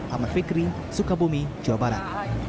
ahmad fikri sukabumi jawa barat